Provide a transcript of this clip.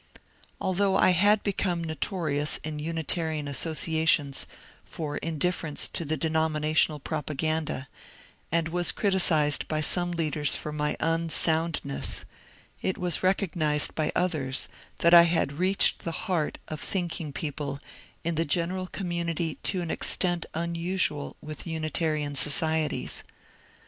Although I had become notorious in Unitarian associations for indifference to the denominational propaganda, and was criticised by some leaders for my unsoundness, it was re cognized by others that I had reached the heart of thinking people in the general community to an extent unusual with Unitarian societies.